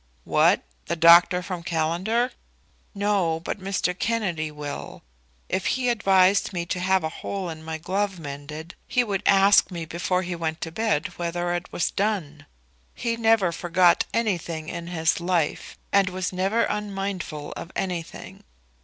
"What; the doctor from Callender?" "No; but Mr. Kennedy will. If he advised me to have a hole in my glove mended, he would ask me before he went to bed whether it was done. He never forgot anything in his life, and was never unmindful of anything.